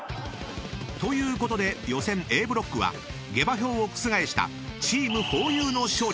［ということで予選Ａブロックは下馬評を覆したチームふぉゆの勝利］